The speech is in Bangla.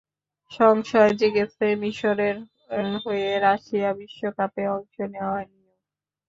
সংশয় জেগেছে মিসরের হয়ে রাশিয়া বিশ্বকাপে অংশ নেওয়া নিয়েও।